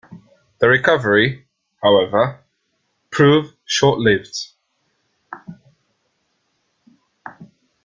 The recovery, however, proved short-lived.